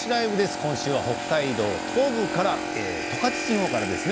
今週は北海道十勝地方からですね。